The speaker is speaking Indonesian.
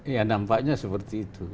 ya nampaknya seperti itu